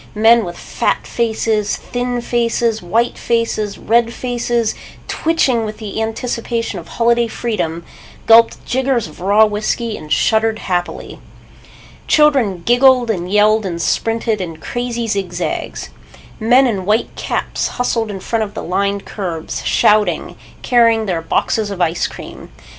Men with fat faces, thin faces, white faces, red faces, twitching with the anticipation of holiday freedom, gulped jiggers of raw whiskey and shuddered happily. Children giggled and yelled and sprinted in crazy zig zags. Men in white caps hustled in front of the lined curbs, shouting, carrying their boxes of ice cream.